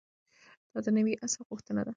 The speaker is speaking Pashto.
دا د نوي عصر غوښتنه ده.